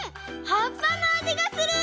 はっぱのあじがする！